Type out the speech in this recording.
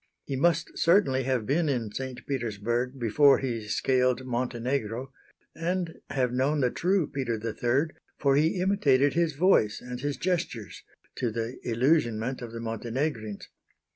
He must certainly have been in St. Petersburg before he scaled Montenegro; and have known the true Peter III, for he imitated his voice and his gestures to the illusionment of the Montenegrins.